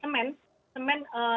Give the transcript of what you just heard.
semen smbr smgr itu juga masih bisa